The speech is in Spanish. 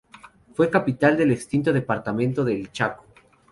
Fue capital del extinto Departamento del Chaco.